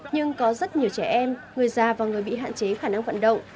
nhưng có rất nhiều trẻ em người già và người bị hạn chế khả năng vận động